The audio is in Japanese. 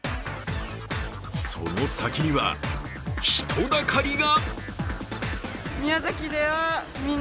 その先には、人だかりが。